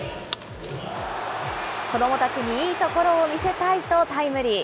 子どもたちにいいところを見せたいと、タイムリー。